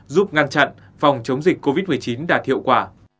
giúp ngăn chặn phòng chống dịch covid một mươi chín đạt hiệu quả